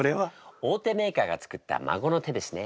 大手メーカーが作った孫の手ですね。